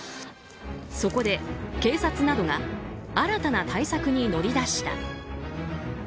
そこで、警察などが新たな対策に乗り出した。